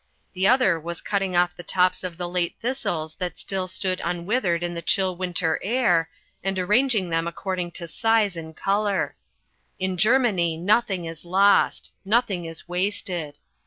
The other was cutting off the tops of the late thistles that still stood unwithered in the chill winter air, and arranging them according to size and colour. In Germany nothing is lost; nothing is wasted.